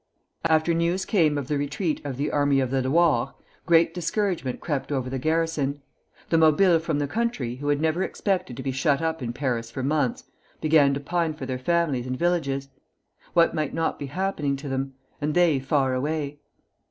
After news came of the retreat of the Army of the Loire, great discouragement crept over the garrison. The Mobiles from the country, who had never expected to be shut up in Paris for months, began to pine for their families and villages. What might not be happening to them? and they far away!